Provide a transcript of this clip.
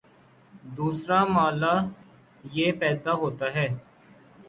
دوسرا مألہ یہ پیدا ہوتا ہے